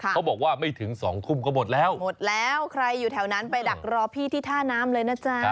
เขาบอกว่าไม่ถึงสองทุ่มก็หมดแล้วหมดแล้วใครอยู่แถวนั้นไปดักรอพี่ที่ท่าน้ำเลยนะจ๊ะ